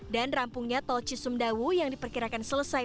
dan rampungnya tol cisumdawu yang diperkirakan selesai